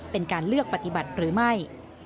เป็นการเลือกปฏิบัติหรือไม่